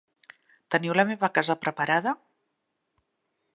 Teniu la meva casa preparada?